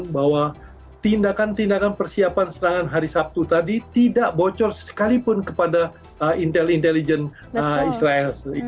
bahwa tindakan tindakan persiapan serangan hari sabtu tadi tidak bocor sekalipun kepada intel intelijen israel